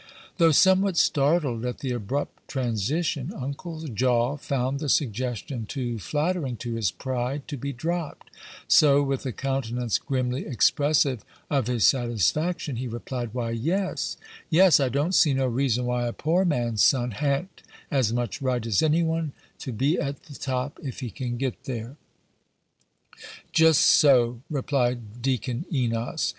Though somewhat startled at the abrupt transition, Uncle Jaw found the suggestion too flattering to his pride to be dropped; so, with a countenance grimly expressive of his satisfaction, he replied, "Why, yes yes I don't see no reason why a poor man's son ha'n't as much right as any one to be at the top, if he can get there." "Just so," replied Deacon Enos.